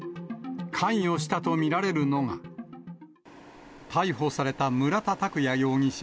関与したと見られるのが、逮捕された村田拓也容疑者